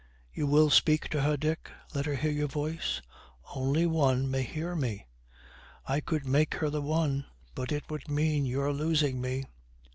'You will speak to her, Dick. Let her hear your voice.' 'Only one may hear me. I could make her the one; but it would mean your losing me.'